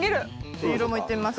黄色もいってみますか。